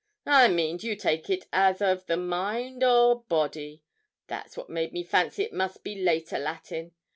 'I mean, do you take it as of the mind or body (that's what made me fancy it must be later Latin).